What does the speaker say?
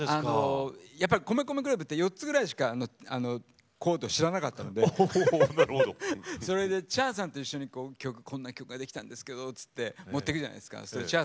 米米ＣＬＵＢって４つぐらいしかコードを知らなかったのでＣｈａｒさんにこんな曲できたんですって持って行くじゃないですか。